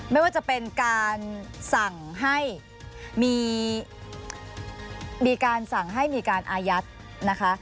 ไม่ว่าจะเป็นการสั่งให้มีการสั่งให้มีการอายัดนะคะ